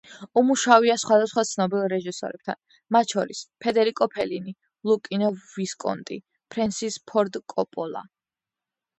უმუშავია სხვადასხვა ცნობილ რეჟისორებთან, მათ შორის ფედერიკო ფელინი, ლუკინო ვისკონტი, ფრენსის ფორდ კოპოლა.